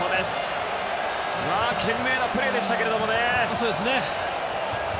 懸命なプレーでしたけどね。